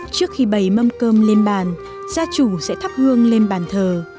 trước khi bày mâm cơm lên bàn gia chủ sẽ thắp hương lên bàn thờ